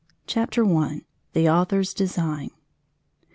CHAPTER I. THE AUTHOR'S DESIGN.